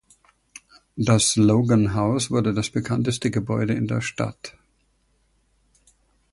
Das Logan House wurde das bekannteste Gebäude in der Stadt.